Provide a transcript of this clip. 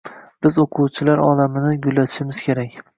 Biz o‘quvchilar olamini gullatishimiz kerak.